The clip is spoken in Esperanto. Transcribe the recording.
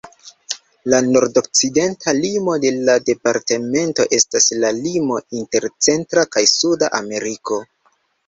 La nordokcidenta limo de la departamento estas la limo inter Centra kaj Suda Ameriko.